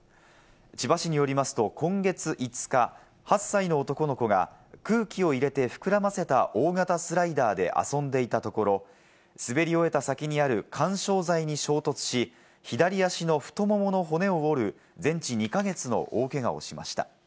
千葉市によりますと今月５日、８歳の男の子が空気を入れて膨らませた大型スライダーで遊んでいたところ、滑り終えた先にある緩衝材に衝突し、左足の太ももの骨を折る、全治２か月の大怪我をしました。